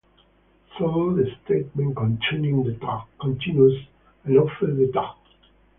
So the statement containing the tag continues on after the tag.